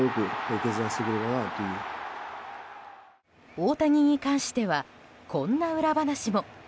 大谷に関してはこんな裏話も。